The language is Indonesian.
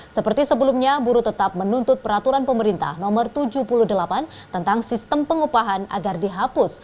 seperti sebelumnya buruh tetap menuntut peraturan pemerintah no tujuh puluh delapan tentang sistem pengupahan agar dihapus